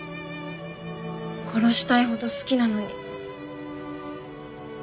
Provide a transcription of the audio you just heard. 殺したいほど好きなのに。